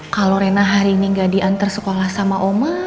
kalo rena hari ini gak dianter sekolah sama oma